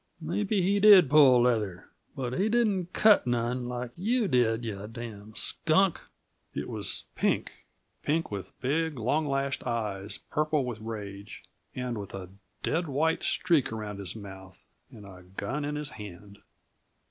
"Maybe he did pull leather but he didn't cut none, like you did, you damn' skunk!" It was Pink Pink, with big, long lashed eyes purple with rage, and with a dead white streak around his mouth, and a gun in his hand.